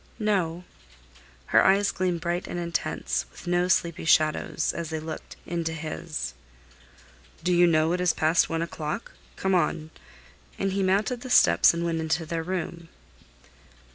"No." Her eyes gleamed bright and intense, with no sleepy shadows, as they looked into his. "Do you know it is past one o'clock? Come on," and he mounted the steps and went into their room.